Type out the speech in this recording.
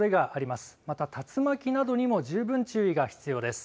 また、竜巻などにも十分注意が必要です。